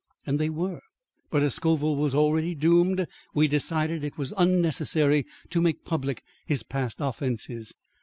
And they were; but as Scoville was already doomed, we decided that it was unnecessary to make public his past offences.